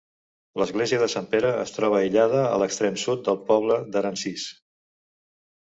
L'església de Sant Pere es troba aïllada a l'extrem sud del poble d'Aransís.